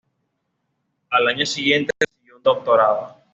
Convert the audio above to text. Al año siguiente recibió un doctorado.